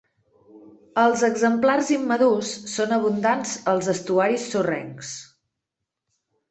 Els exemplars immadurs són abundants als estuaris sorrencs.